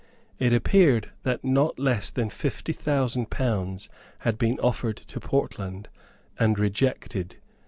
It appeared that not less than fifty thousand pounds had been offered to Portland, and rejected.